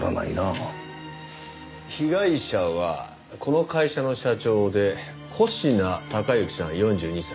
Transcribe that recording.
被害者はこの会社の社長で保科貴之さん４２歳。